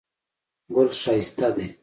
ګل ښایسته دی